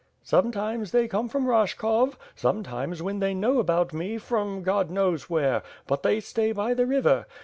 "Sometimes they come from Rashkov; sometimes, when they know about me, from God knows where; but they stay by the river.